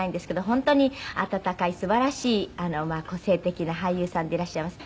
本当に温かいすばらしい個性的な俳優さんでいらっしゃいます。